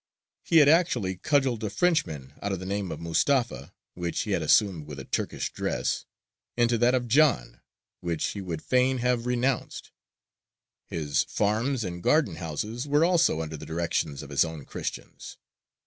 He had actually cudgelled a Frenchmen out of the name of Mustafa (which he had assumed with a Turkish dress) into that of John, which he would fain have renounced. His farms and garden houses were also under the directions of his own Christians.